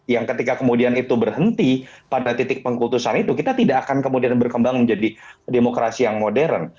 yang ketika kemudian itu berhenti pada titik pengkultusan itu kita tidak akan kemudian berkembang menjadi demokrasi yang modern